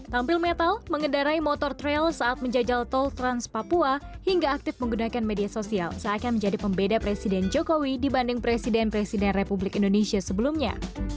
tampil metal mengendarai motor trail saat menjajal tol trans papua hingga aktif menggunakan media sosial seakan menjadi pembeda presiden jokowi dibanding presiden presiden republik indonesia sebelumnya